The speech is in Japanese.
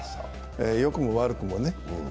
良くも悪くもね。